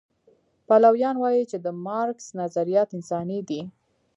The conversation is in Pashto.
پلویان وایي چې د مارکس نظریات انساني دي.